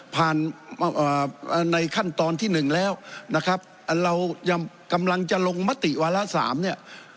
ในขั้นตอนที่หนึ่งแล้วนะครับเรายังกำลังจะลงมติวาระสามเนี่ย